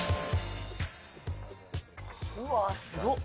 うわすごっ！